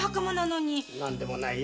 何でもない。